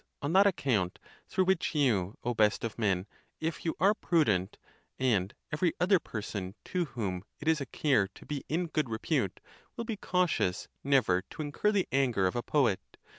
On that account, through which you, O best of men, if you are prudent, and every other person to whom it is a care to be in good repute, will be cautious never to incur the anger of a poet.